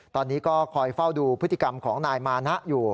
ตอนนี้ก็คอยเฝ้าดูพฤติกรรมของนายมานะอยู่